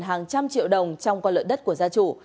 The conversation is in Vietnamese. hàng trăm triệu đồng trong con lợn đất của gia chủ